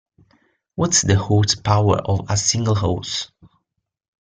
What's the horsepower of a single horse?